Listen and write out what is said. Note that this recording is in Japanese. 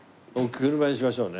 車にしましょうね。